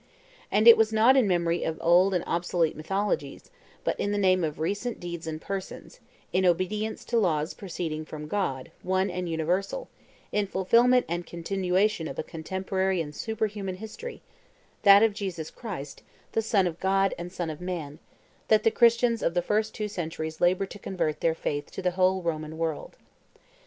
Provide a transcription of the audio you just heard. And it was not in memory of old and obsolete mythologies, but in the name of recent deeds and persons, in obedience to laws proceeding from God, One and Universal, in fulfilment and continuation of a contemporary and superhuman history, that of Jesus Christ, the Son of God and Son of Man, that the Christians of the first two centuries labored to convert to their faith the whole Roman world.